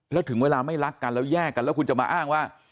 แล้วถึงเวลาไม่รักกันแล้วแยกกันแล้วคุณจะมาอ้างว่า